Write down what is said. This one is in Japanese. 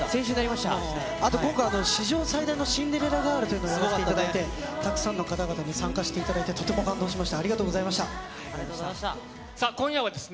今回、史上最大のシンデレラガールというのをやらせていただいて、たくさんの方々に参加してもらってとても感動しました。